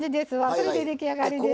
それで出来上がりです。